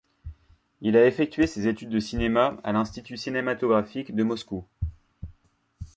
Il a effectué ses études de cinéma à l'Institut Cinématographique de Moscou.